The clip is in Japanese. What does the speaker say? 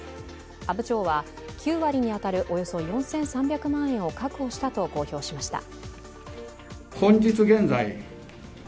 阿武町は、９割に当たるおよそ４３００万円を確保したと公表しました。